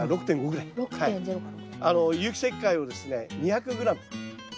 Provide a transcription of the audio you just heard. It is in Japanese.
有機石灰をですね２００ｇ。